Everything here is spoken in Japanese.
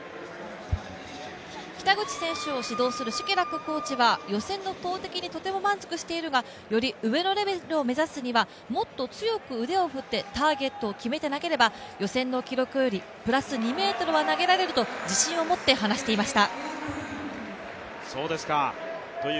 北口選手を指導するシェケラックコーチは予選の投てきに満足しているがより上のレベルを目指すにはターゲットを決めて投げれば予選の記録よりプラス２ｍは投げられると自信を持って話していました。